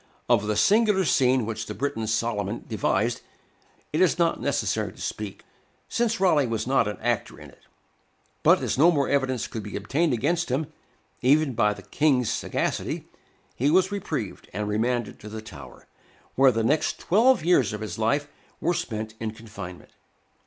Of the singular scene which the British Solomon devised it is not necessary to speak, since Raleigh was not an actor in it. But as no more evidence could be obtained against him, even by the King's sagacity, he was reprieved, and remanded to the Tower, where the next twelve years of his life were spent in confinement.